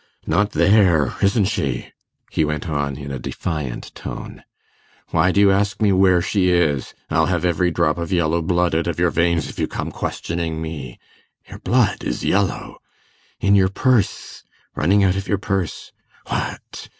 'Not there, isn't she?' he went on in a defiant tone. 'Why do you ask me where she is? I'll have every drop of yellow blood out of your veins if you come questioning me. Your blood is yellow ... in your purse ... running out of your purse ... What!